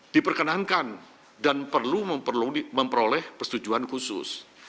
diperkenankan dan perlu memperoleh persetujuan khusus